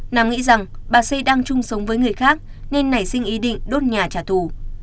nam nghĩ rằng bà xê đang chung sống với người khác nên nảy sinh ý định đốt nhà trả thù